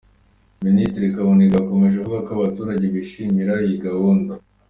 Minisitiri Kaboneka yakomeje avuga ko abaturage bishimira iyi gahunda.